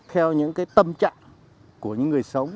theo những tâm trạng của những người sống